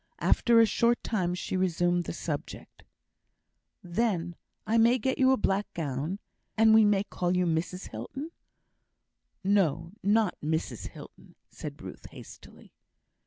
After a short time she resumed the subject. "Then I may get you a black gown? and we may call you Mrs Hilton?" "No; not Mrs Hilton!" said Ruth, hastily.